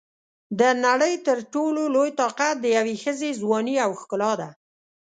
د نړۍ تر ټولو لوی طاقت د یوې ښځې ځواني او ښکلا ده.